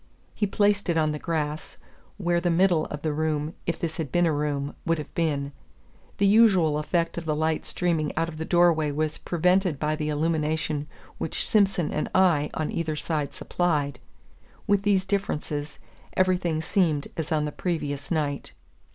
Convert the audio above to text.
He placed it on the grass, where the middle of the room, if this had been a room, would have been. The usual effect of the light streaming out of the door way was prevented by the illumination which Simson and I on either side supplied. With these differences, everything seemed as on the previous night.